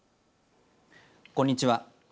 こんにちは。